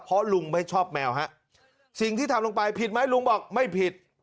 เพราะลุงไม่ชอบแมวฮะสิ่งที่ทำลงไปผิดไหมลุงบอกไม่ผิด